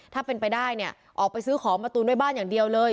ถ้าเป็นไปได้เนี่ยออกไปซื้อของมาตูนด้วยบ้านอย่างเดียวเลย